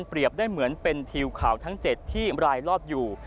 เปรียบได้เหมือนเป็นทิวข่าวทั้งเจ็ดที่รายลอบอยู่